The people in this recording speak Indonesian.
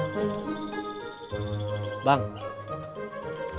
di tempat yang dulu